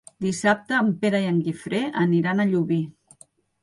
Dissabte en Pere i en Guifré aniran a Llubí.